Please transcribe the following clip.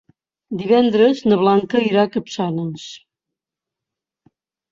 Divendres na Blanca irà a Capçanes.